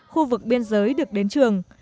khu vực biên giới được đến trường